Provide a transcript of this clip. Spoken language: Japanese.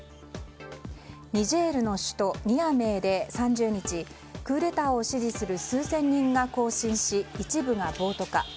ニジェールの首都ニアメーで３０日クーデターを支持する数千人が行進し一部が暴徒化。